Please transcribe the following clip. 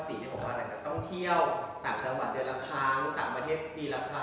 ต้องเที่ยวต่างจังหวัดเดือนละครั้งต่างประเทศปีละครั้ง